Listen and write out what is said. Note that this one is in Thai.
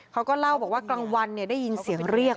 เขาก็เล่าบอกว่ากลางวันได้ยินเสียงเรียก